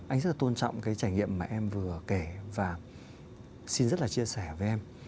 anh rất là tôn trọng cái trải nghiệm mà em vừa kể và xin rất là chia sẻ với em